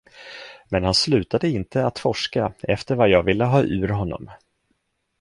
Men han slutade inte att forska efter vad jag ville ha ur honom.